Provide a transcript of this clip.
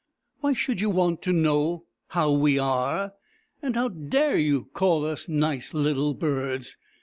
" Why should you want to know how we are ? and how dare you call us nice little birds